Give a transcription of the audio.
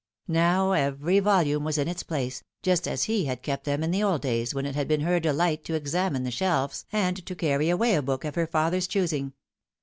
Now every volume was in its place, just as he had kept them in the old days when it had been her delight to examine the shelves and to carry away a book of her father's choosing.